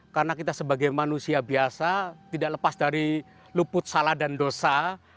karena kita sebagai manusia biasa tidak lepas dari luput salah dan dosa